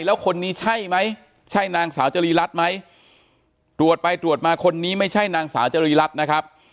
แล้วคนนี้ใช่ไหมใช่นางสาวจรีรัตน์ไหมตรวจไปตรวจมาคนนี้ไม่ใช่นางสาวจรีรัตน์นะครับ